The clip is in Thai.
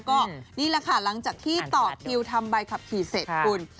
ก็นี่แหละค่ะหลังจากที่ต่อคิวทำใบขับขี่เสร็จคุณ